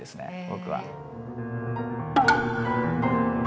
僕は。